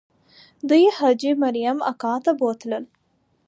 دوی حاجي مریم اکا ته بوتلل.